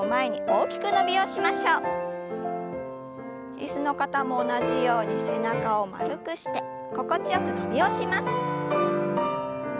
椅子の方も同じように背中を丸くして心地よく伸びをします。